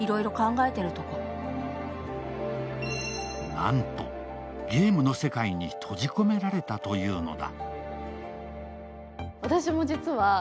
なんと、ゲームの世界に閉じ込められたというのだ。